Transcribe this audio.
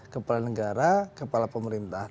kepala negara kepala pemerintah